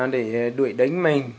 để đuổi đánh mình